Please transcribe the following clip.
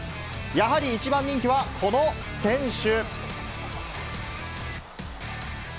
やはり一番人気は、この選手。